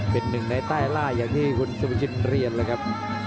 เป็นหนึ่งในใต้ล่าอย่างที่คุณสุประชินเรียนเลยครับ